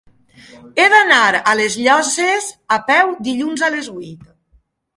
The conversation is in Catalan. He d'anar a les Llosses a peu dilluns a les vuit.